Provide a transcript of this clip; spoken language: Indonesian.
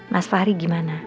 mas fahri gimana